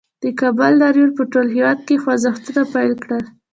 د کابل لاریون په ټول هېواد کې خوځښتونه پیل کړل